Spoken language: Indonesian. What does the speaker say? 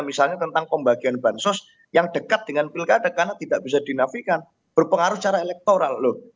misalnya tentang pembagian bansos yang dekat dengan pilkada karena tidak bisa dinafikan berpengaruh secara elektoral loh